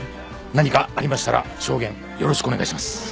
何かありましたら証言よろしくお願いします。